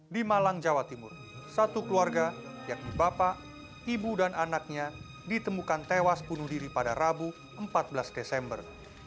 di malang jawa timur satu keluarga yakni bapak ibu dan anaknya ditemukan tewas bunuh diri pada rabu empat belas desember